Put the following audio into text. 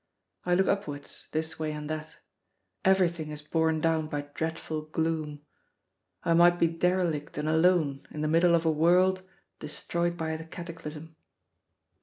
I look upwards, this way and that; everything is borne down by dreadful gloom. I might be derelict and alone in the middle of a world destroyed by a cataclysm.